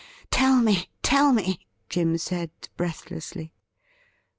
' Tell me ! tell me !' Jim said breathlessly.